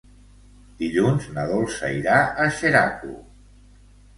Dilluns na Dolça irà a Xeraco.